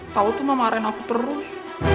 kau tuh mama arayan aku terus